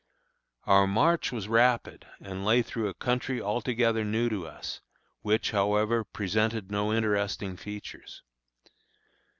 Our march was rapid and lay through a country altogether new to us, which, however, presented no very interesting features.